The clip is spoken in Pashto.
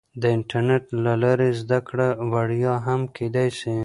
د انټرنیټ له لارې زده کړه وړیا هم کیدای سي.